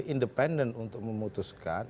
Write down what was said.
independen untuk memutuskan